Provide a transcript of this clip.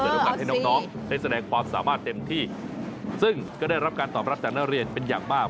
โอกาสให้น้องน้องได้แสดงความสามารถเต็มที่ซึ่งก็ได้รับการตอบรับจากนักเรียนเป็นอย่างมาก